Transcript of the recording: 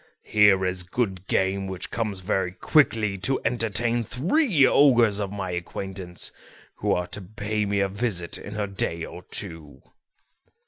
Here is good game, which comes very quickly to entertain three ogres of my acquaintance who are to pay me a visit in a day or two."